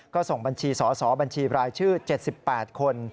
ก็ส่งบัญชีสอบัญชีรายชื่อ๗๘คน